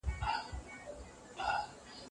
د ماشومانو لوبې مهمې دي